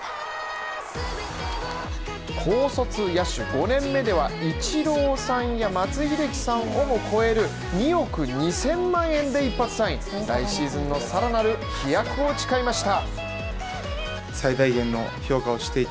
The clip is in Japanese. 高卒野手５年目ではイチローさんや松井秀喜さんを超える２億２０００万円で一発サイン来シーズンのさらなる飛躍を誓いました。